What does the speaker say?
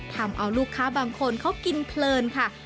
ทำเอาลูกค้าบางคนเขากินเพลินค่ะ